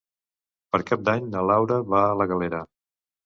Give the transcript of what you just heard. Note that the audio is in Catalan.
Per Cap d'Any na Laura va a la Galera.